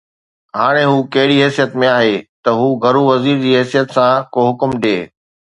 هاڻي هو ڪهڙي حيثيت ۾ آهي ته هو گهرو وزير جي حيثيت سان ڪو حڪم ڏئي